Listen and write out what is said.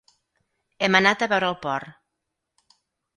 Hem anat a veure el port.